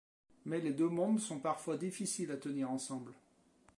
Mais les deux mondes sont parfois difficiles à tenir ensemble.